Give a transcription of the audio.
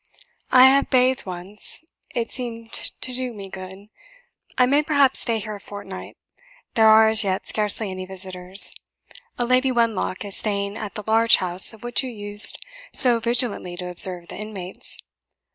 I have bathed once; it seemed to do me good. I may, perhaps, stay here a fortnight. There are as yet scarcely any visitors. A Lady Wenlock is staying at the large house of which you used so vigilantly to observe the inmates.